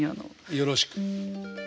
よろしく。